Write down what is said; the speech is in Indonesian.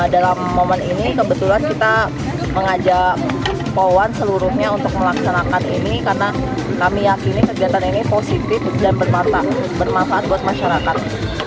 dalam momen ini kebetulan kita mengajak powan seluruhnya untuk melaksanakan ini karena kami yakini kegiatan ini positif dan bermanfaat buat masyarakat